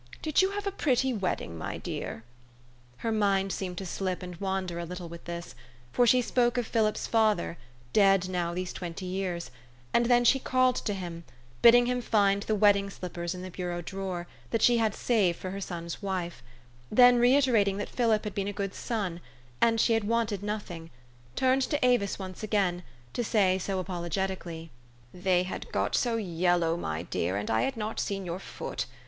Did you have a pretty wed ding, my dear?" Her mind seemed to slip and wander a little with this ; for she spoke of Philip's father, dead now these twenty years ; and then she called to him, bidding him find the wedding slippers in the bureau drawer, that she had saved for her son's wife ; then reiterating that Philip had been a good son, and she had wanted nothing, turned to Avis once again, to say apologetically, '' They had got so yellow, my dear, and I had not seen your foot.